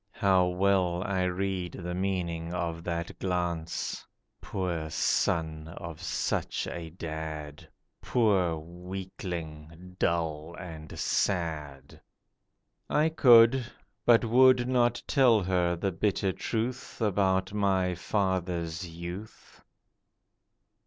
How well I read the meaning of that glance— 'Poor son of such a dad; Poor weakling, dull and sad.' I could, but would not tell her bitter truth About my father's youth.